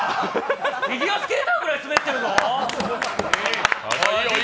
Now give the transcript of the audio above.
フィギュアスケートぐらいスベってるぞ！